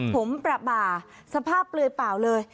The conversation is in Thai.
ผมประบาสภาพเปลือยเปล่าเลย